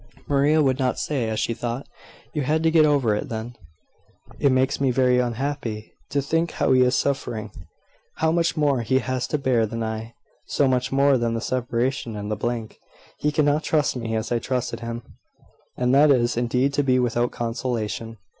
Maria would not say, as she thought, "You had to get over it, then?" "It makes me very unhappy to think how he is suffering, how much more he has to bear than I; so much more than the separation and the blank. He cannot trust me as I trusted him; and that is, indeed, to be without consolation."